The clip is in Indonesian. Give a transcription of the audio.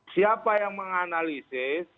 siapa yang menganalisis